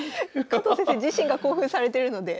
加藤先生自身が興奮されてるので。